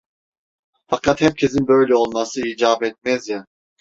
Fakat herkesin böyle olması icap etmez ya…